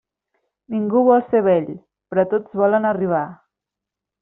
Ningú vol ser vell, però tots volen arribar.